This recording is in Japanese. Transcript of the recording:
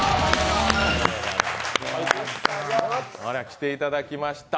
来ていただきました。